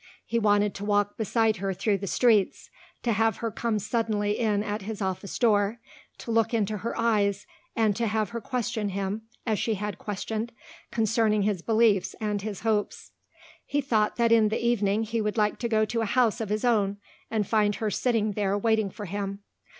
He wanted to walk beside her through the streets, to have her come suddenly in at his office door, to look into her eyes and to have her question him, as she had questioned, concerning his beliefs and his hopes. He thought that in the evening he would like to go to a house of his own and find her sitting there waiting for him.